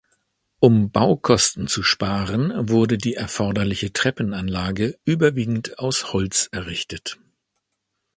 Um Baukosten zu sparen, wurde die erforderliche Treppenanlage überwiegend aus Holz errichtet.